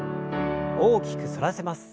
大きく反らせます。